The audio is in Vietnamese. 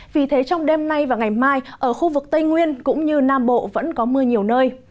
vì thế trong đêm nay và ngày mai ở khu vực tây nguyên cũng như nam bộ vẫn có mưa nhiều nơi